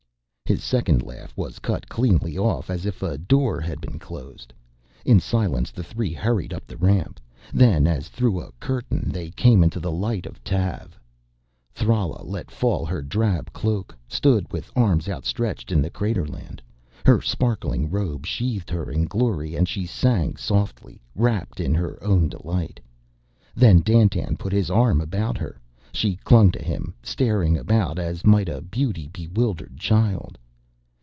His second laugh was cut cleanly off, as if a door had been closed. In silence the three hurried up the ramp. Then, as through a curtain, they came into the light of Tav. Thrala let fall her drab cloak, stood with arms outstretched in the crater land. Her sparkling robe sheathed her in glory and she sang softly, rapt in her own delight. Then Dandtan put his arm about her; she clung to him, staring about as might a beauty bewildered child.